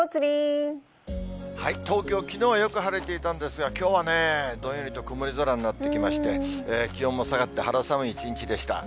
東京、きのうはよく晴れていたんですが、きょうはね、どんよりと曇り空になってきまして、気温も下がって肌寒い一日でした。